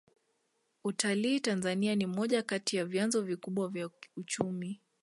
utalii tanzania ni moja kati ya vyanzo vikubwa vya uchumi